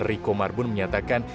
riko marbun menyatakan